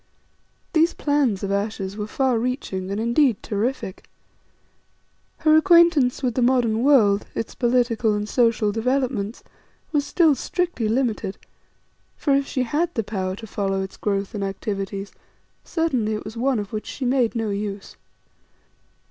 These plans of Ayesha's were far reaching and indeed terrific. Her acquaintance with the modern world, its political and social developments, was still strictly limited; for if she had the power to follow its growth and activities, certainly it was one of which she made no use.